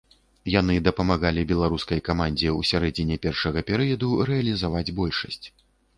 Яны дапамаглі беларускай камандзе ў сярэдзіне першага перыяду рэалізаваць большасць.